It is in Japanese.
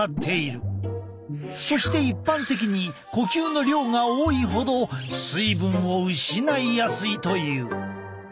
そして一般的に呼吸の量が多いほど水分を失いやすいという。